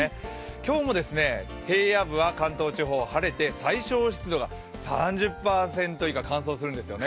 今日も平野部は関東地方晴れて最小湿度が３％以下、乾燥するんですよね。